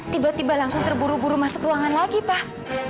tiba tiba langsung terburu buru masuk ruangan lagi pak